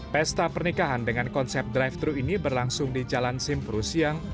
pesta pernikahan dengan konsep drive thru ini berlangsung di jalan simpru siang